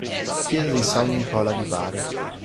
Chiesa di San Nicola di Bari